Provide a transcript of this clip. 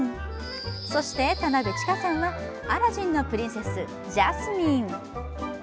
そして、田辺智加さんはアラジンのプリンセス・ジャスミン。